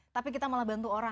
tapi kita malah bantu orang